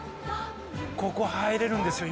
ここ入れるんですよ